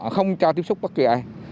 không cho tiếp xúc bất kỳ ai